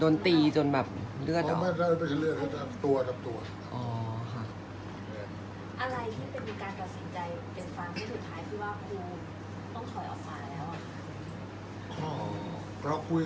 อันไหนที่มันไม่จริงแล้วอาจารย์อยากพูด